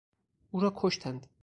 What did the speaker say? او را کشتند.